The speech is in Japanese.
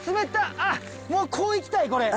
あっもうこう行きたいこれ。